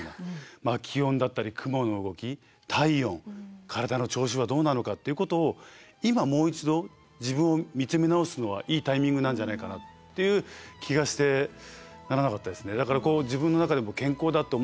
気温だったり雲の動き体温体の調子はどうなのかっていうことを今もう一度自分を見つめ直すのはいいタイミングなんじゃないかなっていう気がしてならなかったですね。